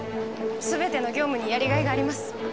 全ての業務にやりがいがあります。